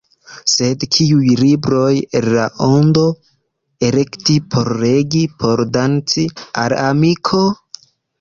Sed kiujn librojn el la ondo elekti por legi, por donaci al amiko?